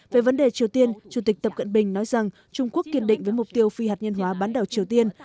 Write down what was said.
về vấn đề triều tiên chủ tịch tập cận bình nói rằng trung quốc kiên định với mục tiêu phi hạt nhân hóa bán đảo triều tiên